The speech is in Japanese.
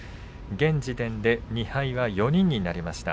現時点で２敗が４人になりました。